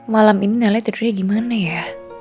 malam ini nala tidurnya gimana ya